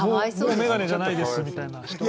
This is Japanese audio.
もう眼鏡じゃないですみたいな。